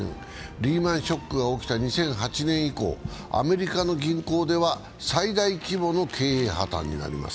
リーマン・ショックが起きた２００８年以降、アメリカの銀行では最大規模の経営破綻になります。